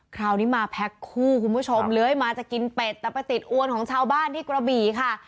คราวนี้มาแพ็คคู่คุณผู้ชมเลื้อยมาจะกินเป็ดแต่ไปติดอวนของชาวบ้านที่กระบี่ค่ะ